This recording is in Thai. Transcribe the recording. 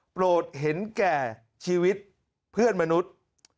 โปรดเห็นแก่ชีวิตเพื่อนมนุษย์